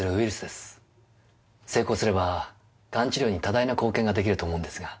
成功すれば癌治療に多大な貢献ができると思うんですが。